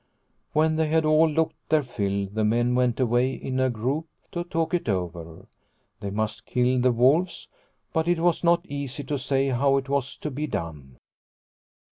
When they had all looked their fill, the men went away in a group to talk it over. They must kill the wolves, but it was not easy to say how it was to be done.